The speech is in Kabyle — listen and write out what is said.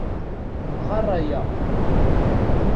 Ɣer aya.